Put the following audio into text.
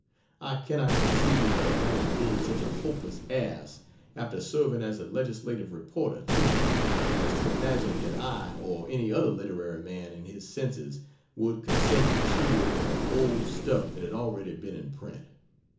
I cannot conceive of a man being such a hopeless ass (after serving as a legislative reporter, too) as to imagine that I or any other literary man in his senses would consent to chew over old stuff that had already been in print.